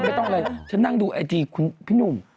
ไม่ต้องอะไรฉันนั่งดูไอจีคุณพี่หนุ่ม